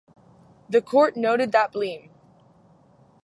The court noted that Bleem!